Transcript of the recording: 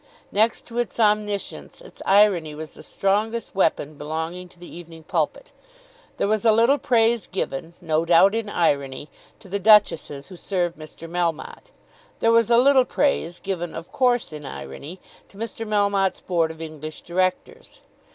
Next to its omniscience its irony was the strongest weapon belonging to the "Evening Pulpit." There was a little praise given, no doubt in irony, to the duchesses who served Mr. Melmotte. There was a little praise, given of course in irony, to Mr. Melmotte's Board of English Directors.